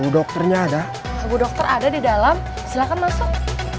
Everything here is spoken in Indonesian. dokternya ada bu dokter ada di dalam silakan masuk